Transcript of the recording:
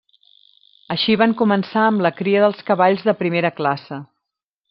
Així van començar amb la cria dels cavalls de primera classe.